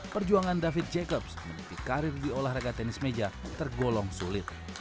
perjuangan david jacobs menepi karir di olahraga tenis meja tergolong sulit